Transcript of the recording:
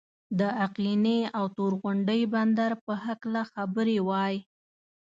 د آقینې او تور غونډۍ بندر په هکله خبرې وای.